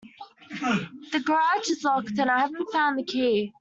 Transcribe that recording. The garage is locked; and I haven't the key.